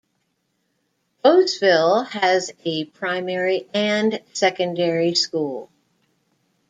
Bosvil has a primary and secondary school.